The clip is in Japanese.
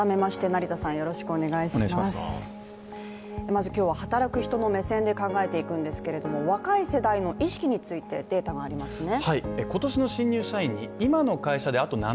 まず今日は働く人の目線で考えていくんですが若い世代の意識についてデータがありますね。